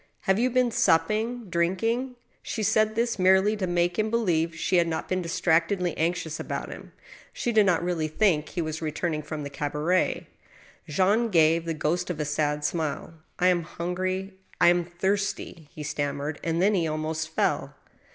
" Have you been supping, ... drinking?" She said this merely to make believe she had not been distract edly anxious about him. She did not really think he was returning from the cabaret, Jean gave the ghost of a sad smile. " I am hungry — I am thirsty !" he stammered ; and then he almost fell.